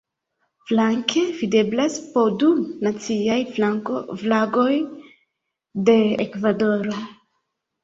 Flanke videblas po du naciaj flagoj de Ekvadoro.